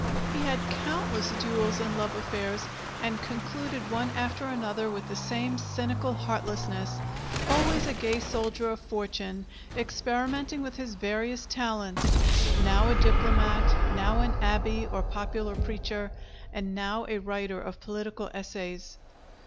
He had countless duels and love affairs, and concluded one after another with the same cynical heartlessness: always a gay soldier of fortune, experimenting with his various talents; now a diplomat, now an abbé or popular preacher, and now a writer of political essays.